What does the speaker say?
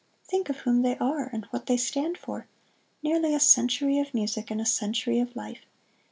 Think of whom they are, and what they stand for nearly a century of music, and a century of life!